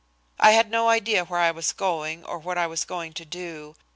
I had no idea where I was going or what I was going to do.